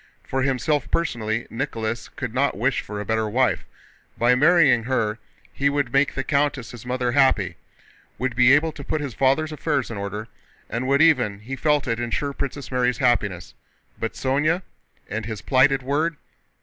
For himself personally Nicholas could not wish for a better wife: by marrying her he would make the countess his mother happy, would be able to put his father's affairs in order, and would even—he felt it—ensure Princess Mary's happiness. But Sónya? And his plighted word?